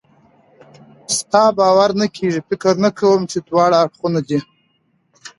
ستا باور نه کېږي؟ فکر نه کوم چې دواړه اړخونه دې.